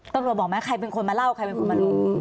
บอกไหมใครเป็นคนมาเล่าใครเป็นคนมารู้